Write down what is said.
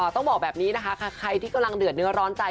ต้องบอกแบบนี้นะคะใครที่กำลังเดือดเนื้อร้อนใจ